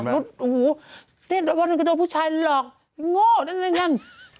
รู้ทุกเรื่องยกเว้น